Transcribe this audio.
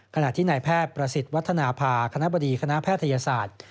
ขณะที่นายแพทย์ประสิทธิ์วัฒนภาคณะบดีคณะแพทยศาสตร์